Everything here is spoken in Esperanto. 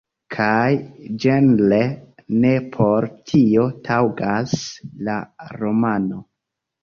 Kaj ĝenre ne por tio taŭgas la romano.